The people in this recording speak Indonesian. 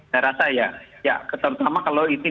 saya rasa ya ya pertama kalau ini